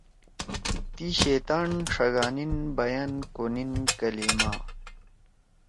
تی شیطان ݜگانیِن بیان کونیِن کلیِما